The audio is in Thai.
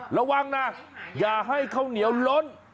ระวังนะอย่าให้ข้าวเหนียวล้น